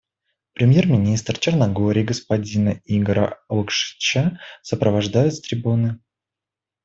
Премьер-министра Черногории господина Игора Лукшича сопровождают с трибуны.